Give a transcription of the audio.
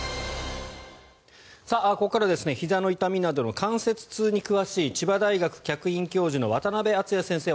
ここからはひざの痛みなどの関節痛に詳しい千葉大学客員教授の渡辺淳也先生